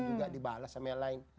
juga dibalas sama yang lain